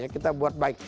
kita buat baik